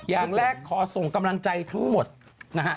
อย่างแรกขอส่งกำลังใจทั้งหมดนะฮะ